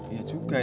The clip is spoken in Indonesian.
iya selang kecil